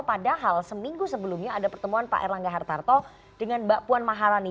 padahal seminggu sebelumnya ada pertemuan pak erlangga hartarto dengan mbak puan maharani